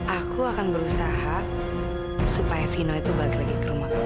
aku akan berusaha supaya vino itu balik lagi ke rumah